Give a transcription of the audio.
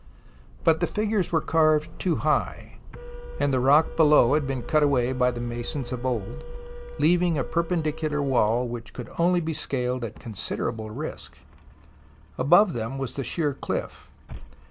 But the figures were carved too high, and the rock below had been cut away by the masons of old, leaving a perpendicular wall which could only be scaled at considerable risk. Above them was the sheer cliff.